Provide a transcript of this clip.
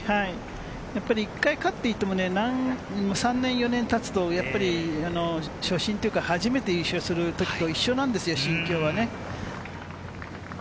やっぱり１回勝っていても、３年、４年たつとやっぱり初心というか初めて優勝するときと一緒なんですよ、心境はね。